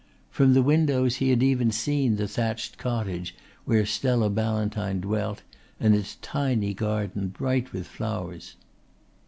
From the windows he had even seen the thatched cottage where Stella Ballantyne dwelt and its tiny garden bright with flowers.